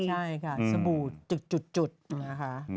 ใช่ค่ะสบู่จุดนะคะ